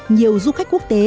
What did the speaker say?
nhiều du khách quốc tế